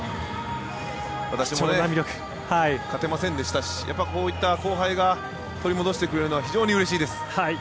私も勝てませんでしたしこういった後輩が取り戻してくれるのは非常にうれしいです。